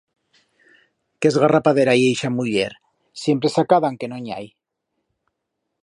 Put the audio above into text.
Qué esgarrapadera ye ixa muller, siempre saca d'an que no'n i hai!